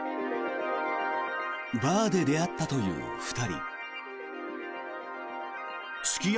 バーで出会ったという２人。